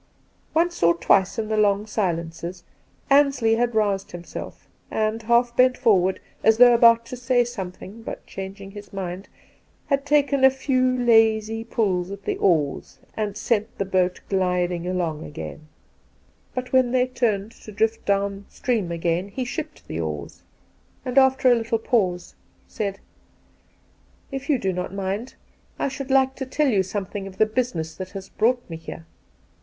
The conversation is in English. Once or twice in the long silences Ansley had roused himself, and half bent forward, as though about to say something, but, changing his mind, had taken a few lazy pulls at the oars and sent the boat gliding along again. But when they turned Two Christmas Days 213 ,to drift down stream again he shipped the oars, and, after a little pause, said :' If you do not mind, I should like to tell you something of the business that has brought me here.